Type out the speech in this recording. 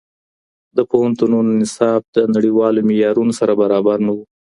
د پوهنتونونو نصاب د نړیوالو معیارونو سره برابر نه و.